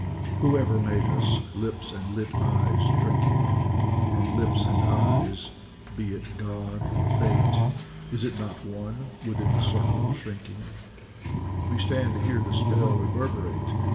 Whoever made us, lips and lit eyes drinking Of lips and eyes, be it or God or Fate, Is it not one? Within the circle shrinking We stand to hear the spell reverberate!